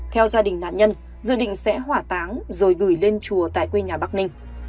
theo gia đình nạn nhân dự định sẽ hỏa táng rồi gửi lên chùa tại quê nhà bắc ninh